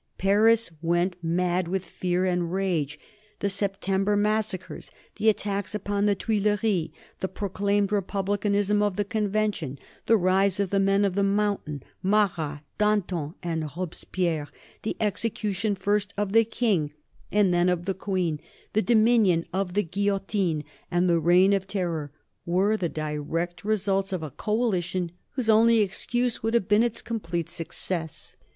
Paris went mad with fear and rage. The September massacres, the attacks upon the Tuileries, the proclaimed republicanism of the Convention, the rise of the men of the Mountain, Marat, Danton, and Robespierre, the execution first of the King and then of the Queen, the dominion of the guillotine and the Reign of Terror, were the direct results of a coalition whose only excuse would have been its complete success.